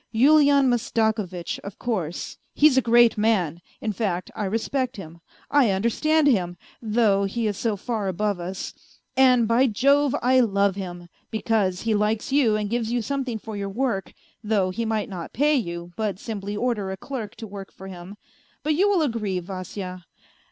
Yulian Mastakovitch, of course, he's a great man, in fact, I respect him, I understand him, though he is so far above us ; and, by Jove, I love him, because he likes you and gives you something for your work, though he might not pay you, but simply order a clerk to work for him but you will agree, Vasya.